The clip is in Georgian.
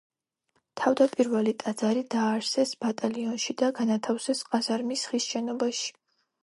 თავდაპირველი ტაძარი დააარსეს ბატალიონში და განათავსეს ყაზარმის ხის შენობაში.